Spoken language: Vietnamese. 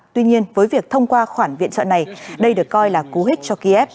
tuy nhiên với việc thông qua khoản viện trợ này đây được coi là cú hích cho kiev